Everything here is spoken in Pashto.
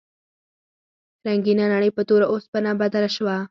رنګینه نړۍ په توره او سپینه بدله شوه.